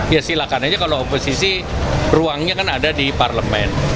ya silakan aja kalau oposisi ruangnya kan ada di parlemen